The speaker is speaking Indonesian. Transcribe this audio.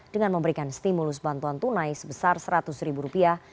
dengan memberikan stimulus bantuan tunai sebesar seratus ribu rupiah